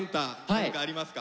何かありますか？